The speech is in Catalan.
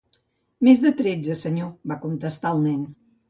"Més de tretze, senyor", va contestar el nen.